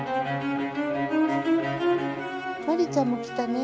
マリーちゃんも来たね。